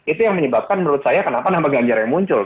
itu yang menyebabkan menurut saya kenapa nama ganjar yang muncul